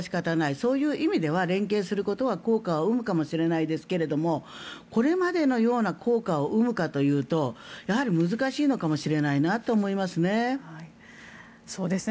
そういう意味では連携することは効果を生むかもしれませんけどこれまでのような効果を生むかというとやはり難しいのかもしれないなと思いますね。